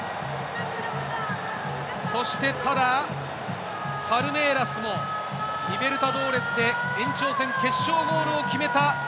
そしてただパルメイラスもリベルタドーレスで延長戦決勝ゴールを決めた。